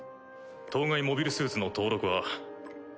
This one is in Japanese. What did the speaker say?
当該モビルスーツの登録は。